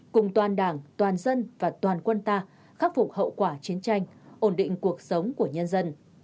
cùng toàn đảng toàn dân và toàn quân ta khắc phục hậu quả chiến tranh ổn định cuộc sống của nhân dân